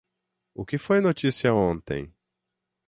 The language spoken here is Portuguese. O que foi notícia ontem?